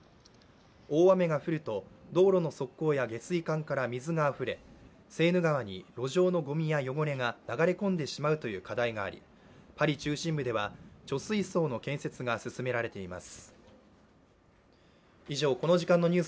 大雨が降ると道路の側溝や下水管が水があふれセーヌ川に路上のごみや汚れが流れ込んでしまうという課題がありパリ中心部では貯水槽の建設が進められています。